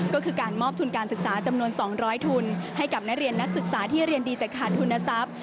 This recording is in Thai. ก็คือการมอบทุนการศึกษาจำนวน๒๐๐ทุนให้กับนักเรียนนักศึกษาที่เรียนดีแต่ขาดทุนทรัพย์